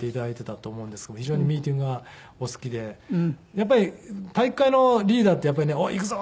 やっぱり体育会のリーダーって「おい行くぞ！